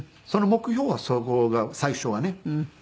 その目標はそこが最初はね。